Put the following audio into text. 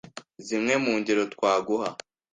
Zimwe mu ngero twaguha